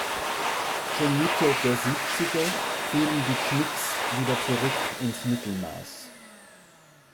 Schon Mitte der Siebziger fielen die Knicks wieder zurück ins Mittelmaß.